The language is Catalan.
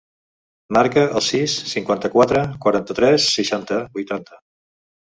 Marca el sis, cinquanta-quatre, quaranta-tres, seixanta, vuitanta.